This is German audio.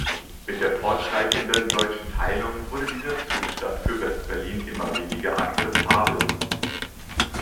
Mit der fortschreitenden deutschen Teilung wurde dieser Zustand für West-Berlin immer weniger akzeptabel.